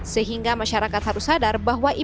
sekitar seratus podcast penyelesaian sendiri